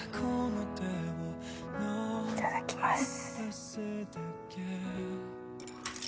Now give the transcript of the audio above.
いただきます。